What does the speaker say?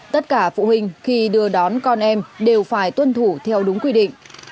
tất cả phụ huynh khi đưa đón con em đều phải tuân thủ theo đúng quy định